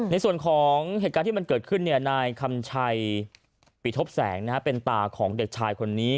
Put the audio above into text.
ในส่วนของเหตุการณ์ที่มันเกิดขึ้นนายคำชัยปิทบแสงเป็นตาของเด็กชายคนนี้